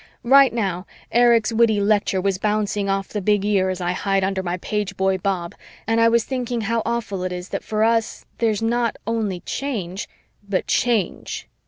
Right now, Erich's witty lecture was bouncing off the big ears I hide under my pageboy bob and I was thinking how awful it is that for us that there's not only change but Change.